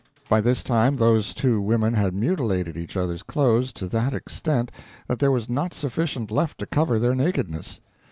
By this time those two women had mutilated each other's clothes to that extent that there was not sufficient left to cover their nakedness.